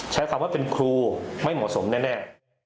ใช้คำว่าเป็นครูไม่เหมาะสมแน่